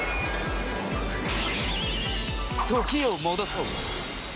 時を戻そう。